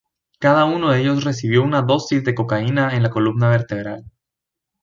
Cada uno de ellos recibió una dosis de cocaína en la columna vertebral.